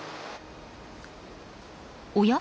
おや？